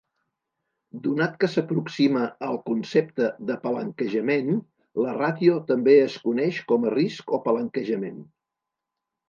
Donat que s'aproxima al concepte de palanquejament, la ràtio també es coneix com risc o palanquejament.